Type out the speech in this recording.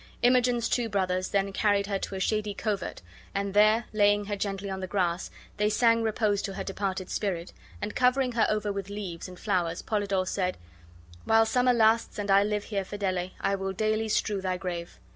Imogen's two brothers then carried her to a shady covert, and there, laying her gently on the grass, they sang repose to her departed spirit, and, covering her over with leaves and flowers, Polydore said: "While summer lasts and I live here, Fidele, I will daily strew thy grave.